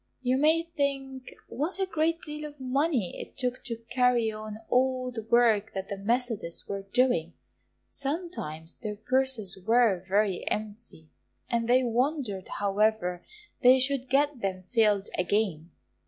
You may think what a great deal of money it took to carry on all the work that the Methodists were doing; sometimes their purses were very empty, and they wondered however they should get them filled again.